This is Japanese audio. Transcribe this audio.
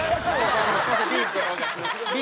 Ｂ